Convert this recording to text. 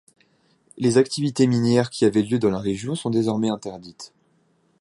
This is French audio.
Les activités minières qui avaient lieu dans la région sont désormais interdites.